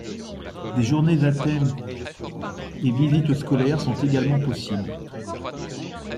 Des journées à thèmes et visites scolaires sont également possibles.